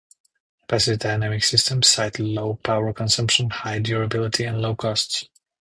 Passive-dynamic systems cite low power consumption, high durability, and low cost.